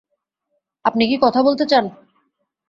আপনি কি কথা বলতে চান?